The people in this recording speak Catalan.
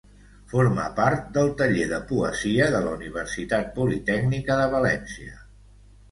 Forma part del taller de poesia de la Universitat Politècnica de València.